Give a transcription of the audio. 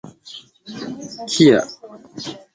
Kia...